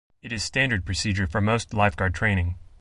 It is standard procedure for most lifeguard training.